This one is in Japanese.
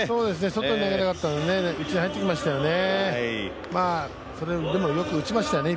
外に投げたかったのに内に入ってきましたね。